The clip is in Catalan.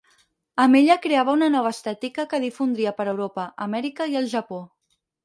Amb ella creava una nova estètica que difondria per Europa, Amèrica i el Japó.